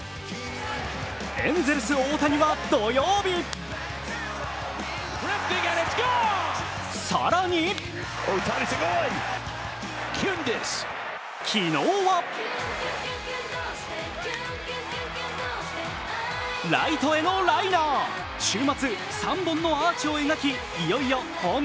エンゼルス・大谷は土曜日更に昨日はライトへのライナー。